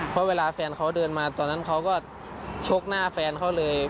เพราะเวลาแฟนเขาเดินมาตอนนั้นเขาก็ชกหน้าแฟนเขาเลย